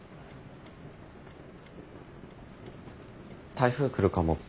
台風来るかもって。